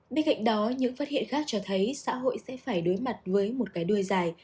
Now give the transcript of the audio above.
bên cạnh đó những phát hiện khác cho thấy xã hội sẽ phải đối mặt với một cái đuôi dài